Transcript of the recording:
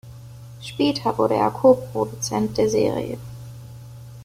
Später wurde er Koproduzent der Serie.